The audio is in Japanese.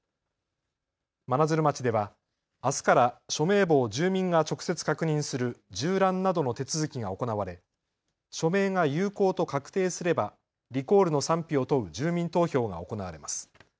真鶴町ではあすから署名簿を住民が直接確認する縦覧などの手続きが行われ署名が有効と確定すればリコールの賛否を問う住民投票が行われます。